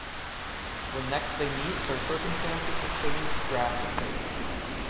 When next they meet, their circumstances have changed drastically.